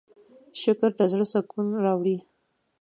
شکر د زړۀ سکون راوړي.